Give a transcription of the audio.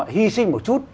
hy sinh một chút